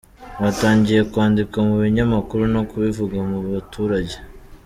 Batangiye kwandika mu binyamakuru no kubivuga mu baturage.